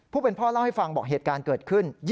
เป็นพ่อเล่าให้ฟังบอกเหตุการณ์เกิดขึ้น